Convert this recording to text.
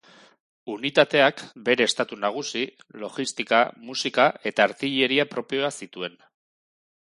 Unitateak bere estatu-nagusi, logistika, musika eta artilleria propioa zituen.